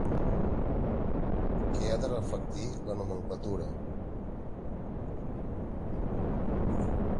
Què ha de reflectir la nomenclatura?